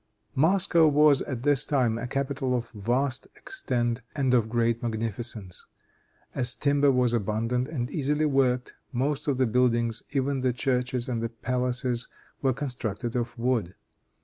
Moscow was at this time a capital of vast extent and of great magnificence. As timber was abundant and easily worked, most of the buildings, even the churches and the palaces, were constructed of wood.